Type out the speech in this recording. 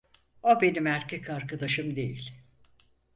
O benim erkek arkadaşım değil.